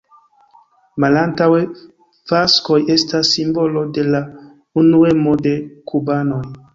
Malantaŭe faskoj estas simbolo de la unuemo de kubanoj.